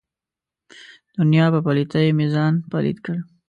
دنیا په پلیتۍ مې ځان پلیت کړ.